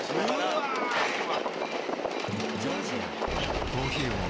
うわええわ！